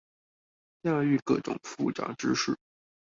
駕馭各種複雜知識